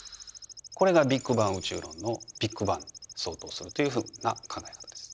これがビッグバン宇宙論のビッグバンに相当するというふうな考え方です。